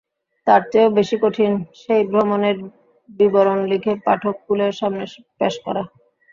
তার চেয়েও বেশি কঠিন সেই ভ্রমণের বিবরণ লিখে পাঠককুলের সামনে পেশ করা।